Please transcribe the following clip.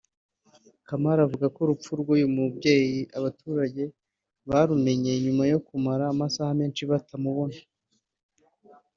Kamali avuga ko urupfu rw’uyu mubyeyi abaturage barumenye nyuma yo kumara amasaha menshi batamubona